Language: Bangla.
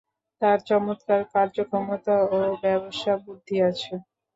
তাঁর চমৎকার কার্যক্ষমতা ও ব্যবসাবুদ্ধি আছে।